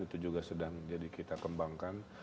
itu juga sedang jadi kita kembangkan